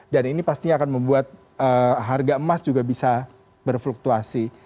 dan ini pastinya akan membuat harga emas juga bisa berfluktuasi